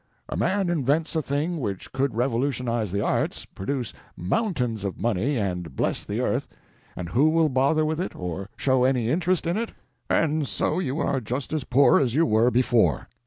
A man invents a thing which could revolutionize the arts, produce mountains of money, and bless the earth, and who will bother with it or show any interest in it?—and so you are just as poor as you were before.